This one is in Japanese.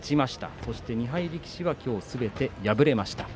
そして２敗力士は、３人ともすべて敗れました。